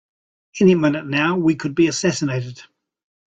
Any minute now we could be assassinated!